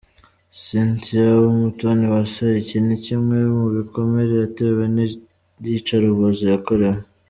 Syntia Umutoniwase, iki kimwe mu bikomere yatewe n’ iyicarubozo yakorewe.